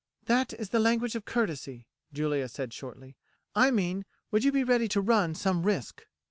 "That is the language of courtesy," Julia said shortly; "I mean would you be ready to run some risk?"